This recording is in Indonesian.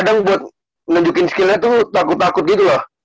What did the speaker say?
kadang buat nunjukin skillnya tuh takut takut gitu loh